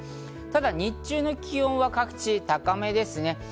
ただ日中の気温は各地高めですね。